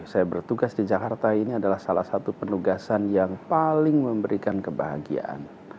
saya bertugas di jakarta ini adalah salah satu penugasan yang paling memberikan kebahagiaan